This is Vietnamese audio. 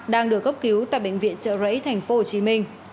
đang được cấp cứu tại bệnh viện trợ rẫy tp hcm